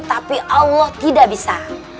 tapi allah tidak bisa